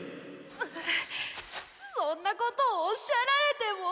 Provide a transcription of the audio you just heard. うっそんなことをおっしゃられても。